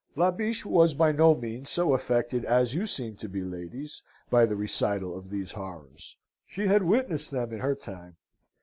"La Biche was by no means so affected as you seem to be, ladies, by the recital of these horrors. She had witnessed them in her time.